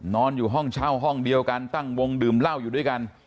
นอนอยู่ห้องเช่าห้องเดียวกันตั้งวงดื่มเหล้าอยู่ด้วยกัน